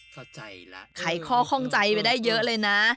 เข้าใจแล้วไขข้อข้องใจไปได้เยอะเลยนะ